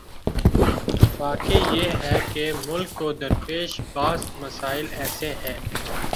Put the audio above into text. واقعہ یہ ہے کہ ملک کو درپیش بعض مسائل ایسے ہیں۔